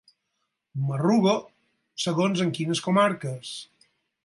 M'arrugo, segons en quines comarques.